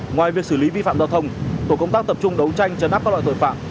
ngoài việc xử lý vi phạm giao thông tổ công tác tập trung đấu tranh chấn áp các loại tội phạm